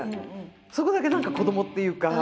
そこだけ何か子どもっていうか。